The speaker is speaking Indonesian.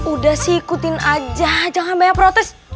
udah sih ikutin aja jangan banyak protes